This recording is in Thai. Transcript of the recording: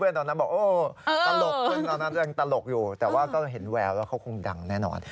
เพื่อนตอนนั้นบอกโอ้ตลกตลกอยู่แต่ว่าก็เห็นแววว่าเขาคงดังแน่นอน